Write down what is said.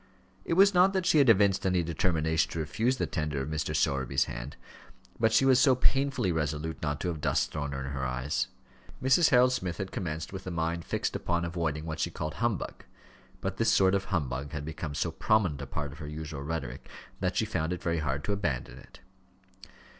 It was not that she had evinced any determination to refuse the tender of Mr. Sowerby's hand; but she was so painfully resolute not to have dust thrown in her eyes! Mrs. Harold Smith had commenced with a mind fixed upon avoiding what she called humbug; but this sort of humbug had become so prominent a part of her usual rhetoric, that she found it very hard to abandon it.